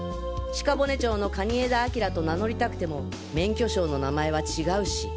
鹿骨町の蟹江田明と名乗りたくても免許証の名前は違うし。